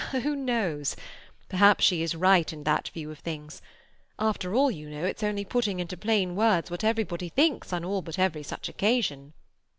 "Who knows? Perhaps she is right in that view of things. After all, you know, it's only putting into plain words what everybody thinks on all but every such occasion."